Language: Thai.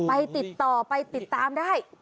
ไปติดต่อไปติดตามได้